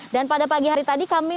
dan pada pagi hari tadi kami melihat